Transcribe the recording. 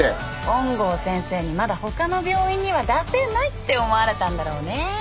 本郷先生にまだ他の病院には出せないって思われたんだろうね。